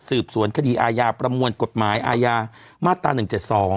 สวนคดีอาญาประมวลกฎหมายอาญามาตรา๑๗๒